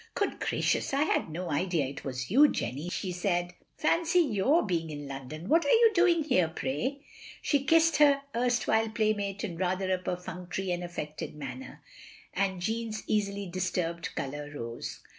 "Good graciotis, I had no idea it was you, Jenny, " she said. " Pancy your being in London. What are you doing here, pray?" She kissed her erstwhile playmate in rather a perfunctory and affected manner; and Jeanne's easily disturbed colour rose.